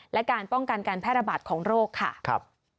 และการป้องกันการแพร่ระบาดของโรคค่ะ